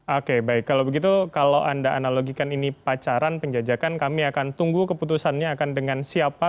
oke baik kalau begitu kalau anda analogikan ini pacaran penjajakan kami akan tunggu keputusannya akan dengan siapa